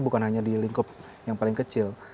bukan hanya di lingkup yang paling kecil